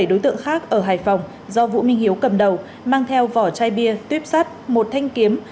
bảy đối tượng khác ở hải phòng do vũ minh hiếu cầm đầu mang theo vỏ chai bia tuyếp sắt một thanh kiếm